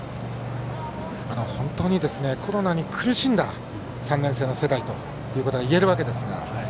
本当にコロナに苦しんだ３年生世代といえるわけです。